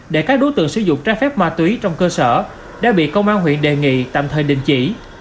để các đối tượng sử dụng trái phép ma túy trong cơ sở đã bị công an huyện đề nghị tạm thời đình chỉ